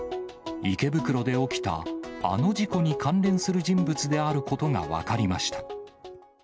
池袋で起きたあの事故に関連する人物であることが分かりました。